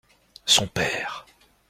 Son père.